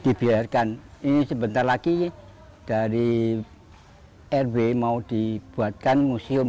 dibiarkan ini sebentar lagi dari rw mau dibuatkan museum